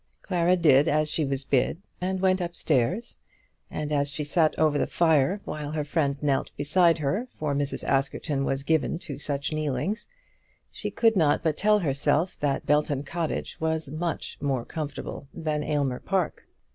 Clara did as she was bid and went up stairs; and as she sat over the fire while her friend knelt beside her, for Mrs. Askerton was given to such kneelings, she could not but tell herself that Belton Cottage was much more comfortable than Aylmer Park.